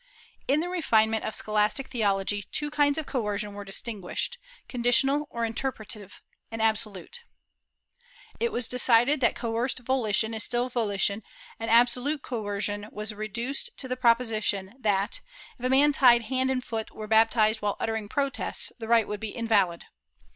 * In the refinement of scholastic theology, two kinds of coercion were distinguished — conditional or interpretative and absolute; it was decided that coerced volition is still volition, and absolute coercion was reduced to the proposition that, if a man tied hand and foot were baptized while uttering protests, the rite would be invalid.